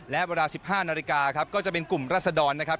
และเวลา๑๕นาฬิกาครับก็จะเป็นกลุ่มรัศดรนะครับ